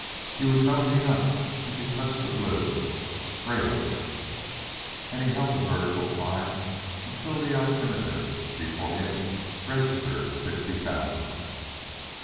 He was nosing up as he touched the blue straight up and he held the vertical climb till the altimeter before him registered sixty thousand.